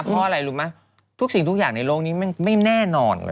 เพราะอะไรรู้ไหมทุกสิ่งทุกอย่างในโลกนี้ไม่แน่นอน